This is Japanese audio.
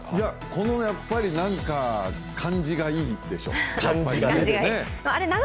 この、なんか、感じがいいでしょ。